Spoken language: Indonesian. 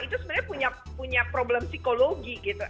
itu sebenarnya punya problem psikologi gitu